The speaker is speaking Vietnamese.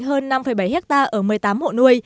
hơn năm bảy hectare ở một mươi tám hộ nuôi